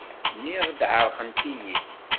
Nniɣ-d ɛerqent-iyi.